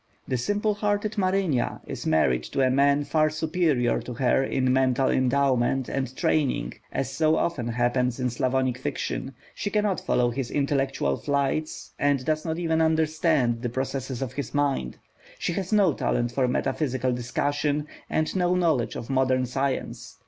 The simple hearted Marynia is married to a man far superior to her in mental endowment and training, as so often happens in Slavonic fiction; she cannot follow his intellectual flights, and does not even understand the processes of his mind. She has no talent for metaphysical discussion, and no knowledge of modern science.